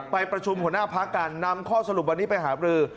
ไปประชุมหัวหน้าพักการนำข้อสรุปวันนี้ไปหาบรือ